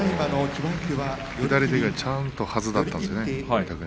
左手がちゃんとはずだったんですよね